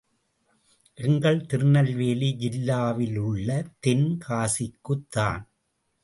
எங்கள் திருநெல்வேலி ஜில்லாவிலுள்ள தென் காசிக்குத்தான்.